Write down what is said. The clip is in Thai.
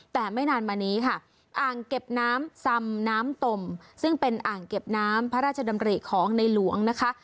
แต่ไม่นานมานี้ค่ะอ่างเก็บน้ำซำน้ำตมซึ่งเป็นอ่างเก็บน้ำพระราชดำริของในหลวงนะคะ